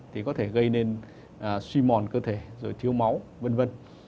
thì có thể gây nên suy mòn cơ thể rồi thiếu máu v v